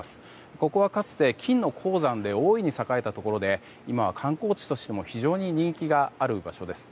ここはかつて、金の鉱山で大いに栄えたところで今は観光地としても非常に人気のあるところです。